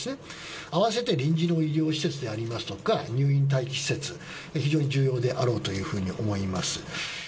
併せて臨時の医療施設でありますとか、入院待機施設、非常に重要であろうというふうに思います。